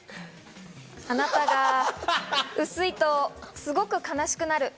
あなたが薄いとすごく悲しくなる。